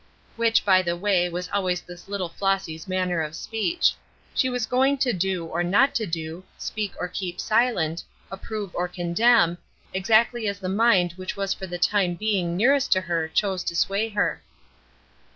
Which, by the way, was always this little Flossy's manner of speech. She was going to do or not to do, speak or keep silent, approve or condemn, exactly as the mind which was for the time being nearest to her chose to sway her.